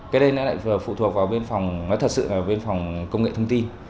cái đây nó lại vừa phụ thuộc vào bên phòng nó thật sự là bên phòng công nghệ thông tin